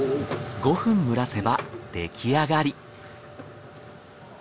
５分蒸らせば出来上がり。